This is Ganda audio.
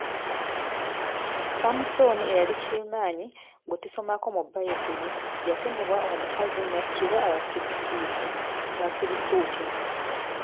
Samusoni eyali kirimaanyi gwe tusomako mu Baibuli yakemebwa omukazi nattibwa abafirisuuti.